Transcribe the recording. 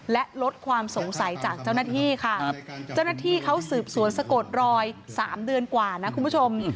และลดความสงสัยจากเจ้าหน้าที่ค่ะเจ้าหน้าที่เขาสืบสวนสะกดรอยสามเดือนกว่านะคุณผู้ชม